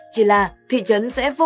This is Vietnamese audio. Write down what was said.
chỉ là thị trấn sẽ vô cùng khó khăn